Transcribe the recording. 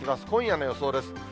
今夜の予想です。